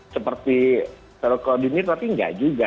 seperti seluruh kondisi ini tapi enggak juga